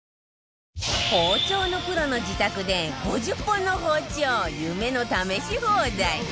包丁のプロの自宅で５０本の包丁夢の試し放題！